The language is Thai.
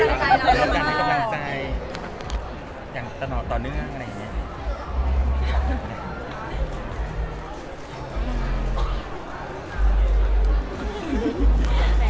อยากตระหน่อต่อเรื่องอะไรอย่างนี้